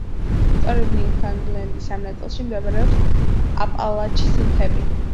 სწორედ ნიუფაუნდლენდის ამ ნაწილში მდებარეობს აპალაჩის მთები.